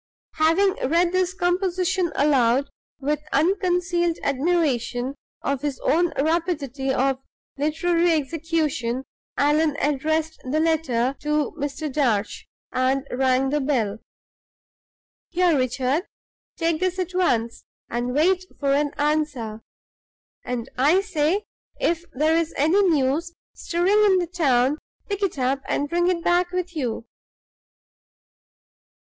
Having read this composition aloud with unconcealed admiration of his own rapidity of literary execution, Allan addressed the letter to Mr. Darch, and rang the bell. "Here, Richard, take this at once, and wait for an answer. And, I say, if there's any news stirring in the town, pick it up and bring it back with you.